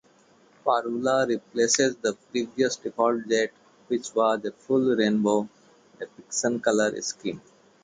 Parula replaces the previous default, "Jet", which was a full rainbow- depiction color scheme.